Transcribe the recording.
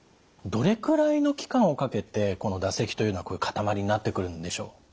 どれくらいの期間をかけてこの唾石というのはこういう塊になってくるんでしょう？